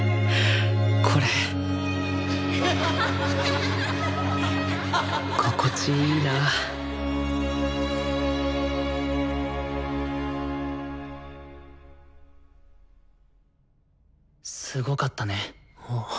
これ心地いいなぁすごかったね。